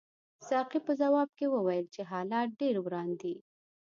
ساقي په ځواب کې وویل چې حالات ډېر وران دي.